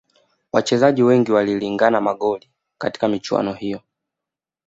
wachezaji wengi walilingangana magoli katika michuano hiyo